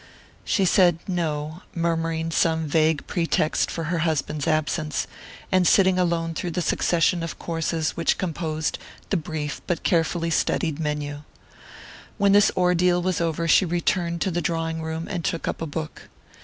She said no, murmuring some vague pretext for her husband's absence, and sitting alone through the succession of courses which composed the brief but carefully studied menu. When this ordeal was over she returned to the drawing room and took up a book.